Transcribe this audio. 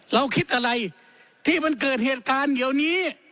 เราคิดอะไรที่มันเกิดเหตุการณ์เดี๋ยวนี้